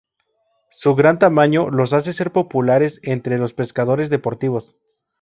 Su gran tamaño los hace ser populares entre los pescadores deportivos.